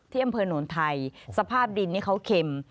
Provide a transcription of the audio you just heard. อำเภอหนวลไทยสภาพดินนี่เขาเข็ม